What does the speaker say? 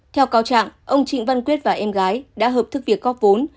theo cáo trạng ông trịnh văn quyết và em gái đã hợp thức việc góp vốn